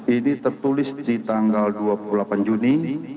ini tertulis di tanggal dua puluh delapan juni